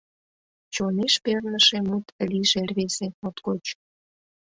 Чонеш перныше мут лийже рвезе моткоч!